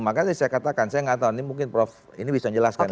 maka saya katakan saya enggak tahu ini mungkin prof bisa jelaskan